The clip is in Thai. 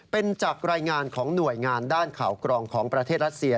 เป็นจากรายงานของหน่วยงานด้านข่าวกรองของประเทศรัสเซีย